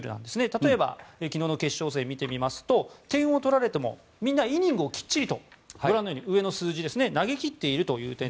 例えば、昨日の決勝戦だと点を取られてもみんなイニングをきっちりと投げ切っているという点。